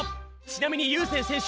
ちなみにゆうせいせん